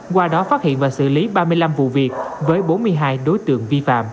qua đó phát hiện và xử lý ba mươi năm vụ việc với bốn mươi hai đối tượng